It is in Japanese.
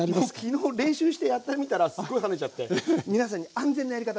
昨日練習してやってみたらすごい跳ねちゃって皆さんに安全なやり方